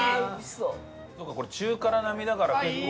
そうかこれ中辛並みだから結構。